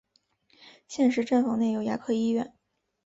现时站房内有牙科医院。